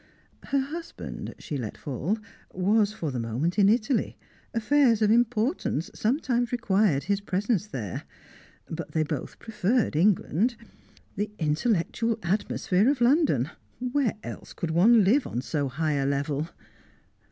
Her husband, she let fall, was for the moment in Italy; affairs of importance sometimes required his presence there; but they both preferred England. The intellectual atmosphere of London where else could one live on so high a level?